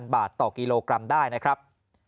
บาทต่อกิโลกรัมได้นะครับ